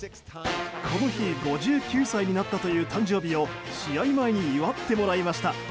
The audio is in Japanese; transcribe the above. この日５９歳になったという誕生日を試合前に祝ってもらいました。